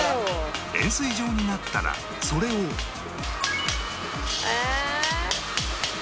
円錐状になったらそれをええ！